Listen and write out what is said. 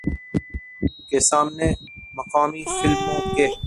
کے سامنے مقامی فلموں کے